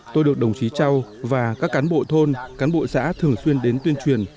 tôi được đồng chí châu và các cán bộ thôn cán bộ xã thường xuyên đến tuyên truyền